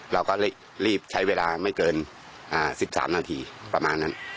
เราก็รีบใช้เวลาไม่เกิน๑๓นาทีประมาณนั้น